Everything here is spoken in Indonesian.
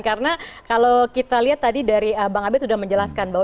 karena kalau kita lihat tadi dari bang abed sudah menjelaskan bahwa